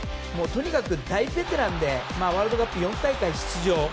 とにかく大ベテランでワールドカップ４大会出場。